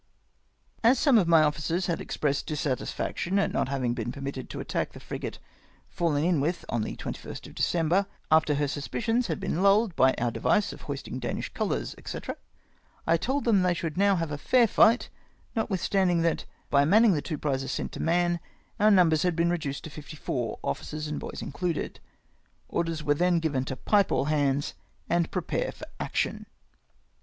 As some of my officers had expressed dissatisfaction at not having been permitted to attack the frigate fallen in with on the 21st of December, after her sus picions had been luUed by our device of hoisting Danish colours, &c., I told them they should now have a fair fight, notwithstanding that, by manning the two prizes sent to Mahon, our numbers had been reduced to fifty fom", officers and boys included. Orders were then given to pipe all hands, and prepare for action.